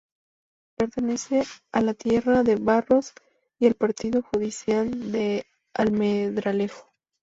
Pertenece a la de Tierra de Barros y al partido judicial de Almendralejo.